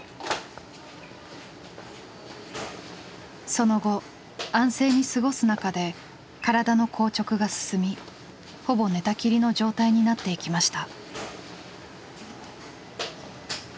その後安静に過ごす中で体の硬直が進みほぼ寝たきりの状態になっていきました。